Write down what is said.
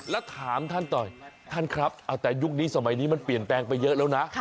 แล้วถามท่านต่อยท่านครับแต่ยุคนี้สมัยนี้มันเปลี่ยนแปลงไปเยอะแล้วนะ